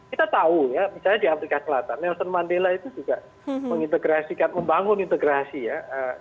kita tahu ya misalnya di afrika selatan nelson mandela itu juga mengintegrasikan membangun integrasi ya